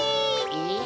えっ？